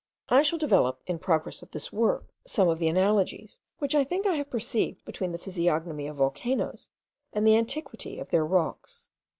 I shall develop, in the progress of this work, some of the analogies, which I think I have perceived between the physiognomy of volcanoes and the antiquity of their rocks.